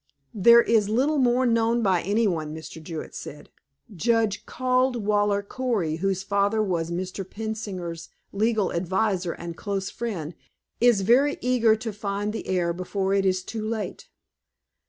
"There is little more known by anyone," Mr. Jewett said. "Judge Caldwaller Cory, whose father was Mr. Pensinger's legal advisor and close friend, is very eager to find the heir before it is too late.